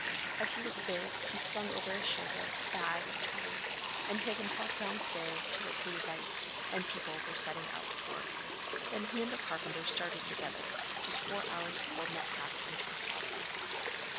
As he was bid, he slung over his shoulder a bag of tools, and hid himself downstairs till it grew light and people were setting out to work, when he and the carpenter started together just four hours before Metcalfe entered Falkirk.